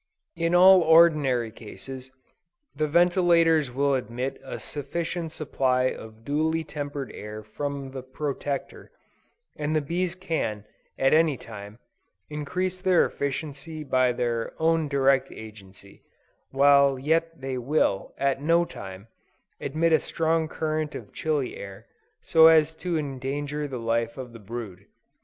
In all ordinary cases, the ventilators will admit a sufficient supply of duly tempered air from the Protector, and the bees can, at any time, increase their efficiency by their own direct agency, while yet they will, at no time, admit a strong current of chilly air, so as to endanger the life of the brood.